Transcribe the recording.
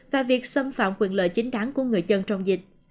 và việc xâm phạm quyền lợi chính đáng của người dân trong dịch